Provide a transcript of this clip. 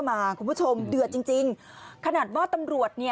ไม่ได้ไม่ได้ไม่ได้